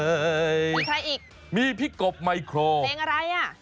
มีใครอีกมีพี่กบไมโครเพลงอะไรอ่ะ